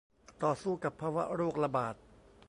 ต่อสู้กับภาวะโรคระบาด